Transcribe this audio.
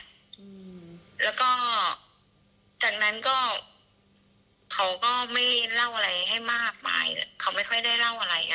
อืมแล้วก็จากนั้นก็เขาก็ไม่เล่าอะไรให้มากมายเขาไม่ค่อยได้เล่าอะไรอ่ะ